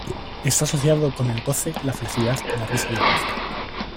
Está asociado con el goce, la felicidad, la risa y el placer.